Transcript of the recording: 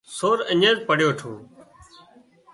سور اڃين پڙيو ٺو